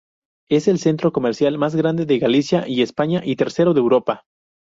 Es el centro comercial más grande de Galicia y España, y tercero de Europa.